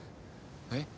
えっ？